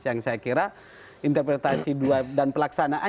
yang saya kira interpretasi dua dan pelaksanaan